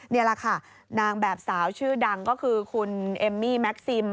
นี่แหละค่ะนางแบบสาวชื่อดังก็คือคุณเอมมี่แม็กซิม